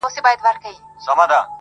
سړی راوستی عسکرو و قاضي ته,